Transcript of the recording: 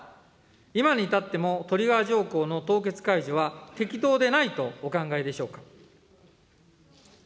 今に至っても、トリガー条項の凍結解除は適当でないとお考えでしょうか。